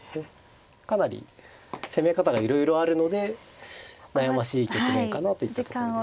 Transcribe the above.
かなり攻め方がいろいろあるので悩ましい局面かなといったところですね。